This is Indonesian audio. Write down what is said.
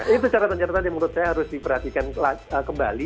itu catatan catatan yang menurut saya harus diperhatikan kembali